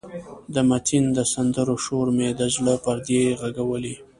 د متین د سندرې شور مې د زړه پردې غږولې.